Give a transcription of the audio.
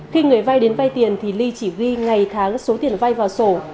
khi người vai đến vai tiền thì ly chỉ ghi ngày tháng số tiền vai vào sổ